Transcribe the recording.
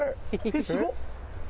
えっすごっ。